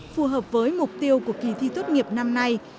phù hợp với mục tiêu của kỳ thi tốt nghiệp năm nay